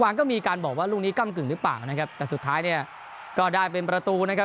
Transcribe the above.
ปว่างก็มีการบอกว่าลุงนี้กั้มกลึ่งหรือเปล่านะครับสุดท้ายก็ได้เป็นประตูครับ